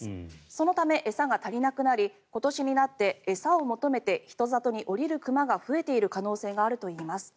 そのため餌が足りなくなり今年になって餌を求めて人里に下りる熊が増えている可能性があるといいます。